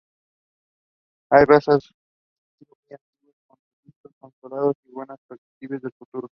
Hay razas de tiro muy antiguas, con registros consolidados y buenas perspectivas de futuro.